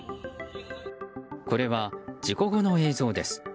これは事故後の映像です。